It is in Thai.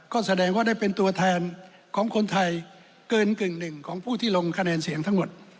ก็แสดงว่าได้เป็นตัวแทนของคนไทยเกินกึ่งหนึ่งของผู้ที่ลงคะแนนเสียงทั้งหมด